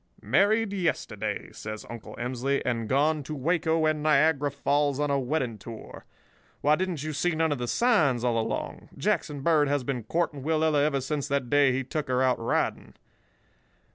"'Married yesterday,' says Uncle Emsley, 'and gone to Waco and Niagara Falls on a wedding tour. Why, didn't you see none of the signs all along? Jackson Bird has been courting Willella ever since that day he took her out riding.